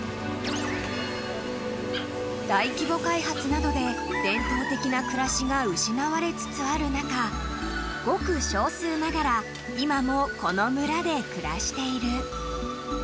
［大規模開発などで伝統的な暮らしが失われつつある中ごく少数ながら今もこの村で暮らしている］